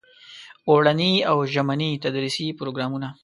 اوړني او ژمني تدریسي پروګرامونه.